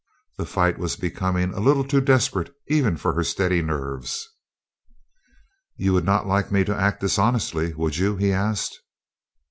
The fight was becoming a little too desperate even for her steady nerves. "You would not like me to act dishonestly, would you?" he asked.